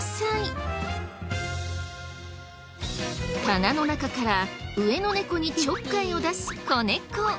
棚の中から上の猫にちょっかいを出す子猫。